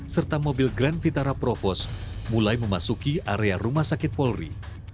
serta mobil grand vitara provos mulai memasuki area rumah sakit polri